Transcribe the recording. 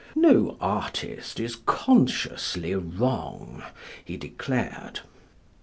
"No artist is consciously wrong," he declared.